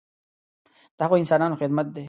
د هغو انسانانو خدمت دی.